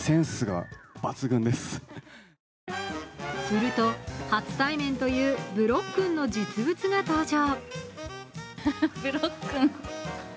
すると、初対面というぶろっ君の実物が登場